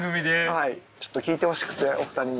はいちょっと聞いてほしくてお二人に。